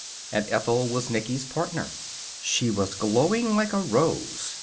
And Ethel was Nicky's partner. She was glowing like a rose.